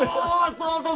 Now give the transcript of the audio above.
そうそう。